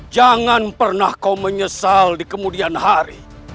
jangan pernah kau menyesal di kemudian hari